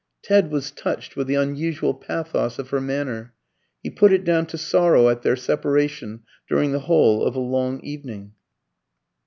Ted was touched with the unusual pathos of her manner. He put it down to sorrow at their separation during the whole of a long evening.